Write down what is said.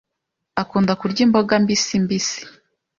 Akunda kurya imboga mbisi mbisi.